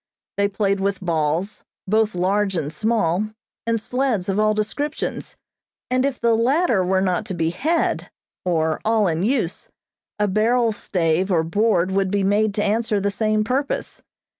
They played with balls, both large and small, and sleds of all descriptions; and if the latter were not to be had, or all in use, a barrel stave or board would be made to answer the same purpose.